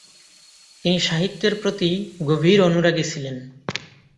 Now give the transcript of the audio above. তিনি সাহিত্যের প্রতি গভীর অনুরাগী ছিলেন।